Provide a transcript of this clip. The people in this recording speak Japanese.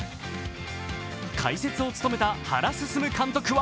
解説を務めた原晋監督は